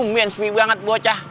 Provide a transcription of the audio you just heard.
bambang sepi banget bocah